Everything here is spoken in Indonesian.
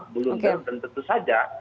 belum dan tentu saja